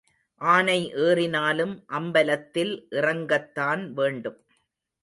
ஆனை ஏறினாலும் அம்பலத்தில் இறங்கத்தான் வேண்டும்.